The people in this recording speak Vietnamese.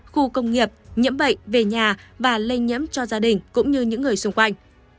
khu công nghiệp nhiễm bệnh về nhà và lây nhiễm cho gia đình cũng như những người xung quanh